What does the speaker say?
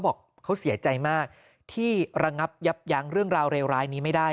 บอกเขาเสียใจมากที่ระงับยับยั้งเรื่องราวเลวร้ายนี้ไม่ได้